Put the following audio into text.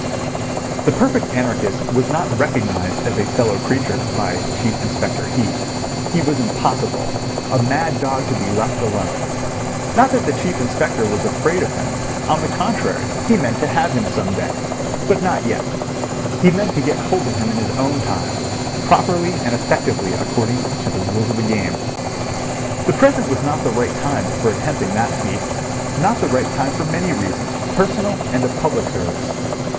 The perfect anarchist was not recognised as a fellow creature by Chief Inspector Heat. He was impossible—a mad dog to be left alone. Not that the Chief Inspector was afraid of him; on the contrary, he meant to have him some day. But not yet; he meant to get hold of him in his own time, properly and effectively according to the rules of the game. The present was not the right time for attempting that feat, not the right time for many reasons, personal and of public service.